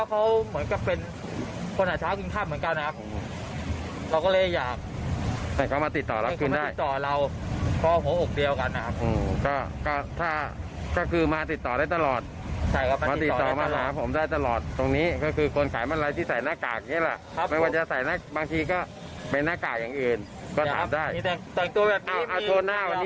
ก็เป็นหน้ากากอย่างอื่นก็ถามได้โทรหน้าวันนี้โทรหน้าเลย